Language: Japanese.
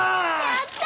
やった！